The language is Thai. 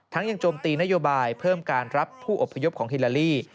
ยังโจมตีนโยบายเพิ่มการรับผู้อบพยพของฮิลาลี